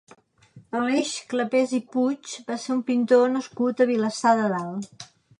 Aleix Clapés i Puig va ser un pintor nascut a Vilassar de Dalt.